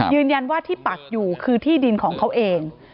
ยืนยันว่าที่ปักอยู่คือที่ดินของเขาเอง